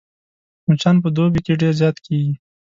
مچان په دوبي کې ډېر زيات کېږي